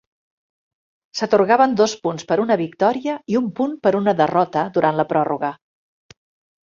S'atorgaven dos punts per una victòria i un punt per una derrota durant la pròrroga.